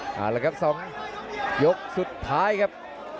เอาละครับ๒ยกสุดท้ายครับ